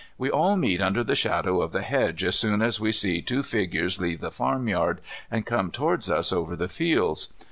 We all meet under the shadow of the hedge as soon as we see two figures leave the farmyard and come towards us over the fields.